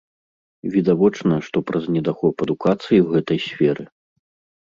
Відавочна, што праз недахоп адукацыі ў гэтай сферы.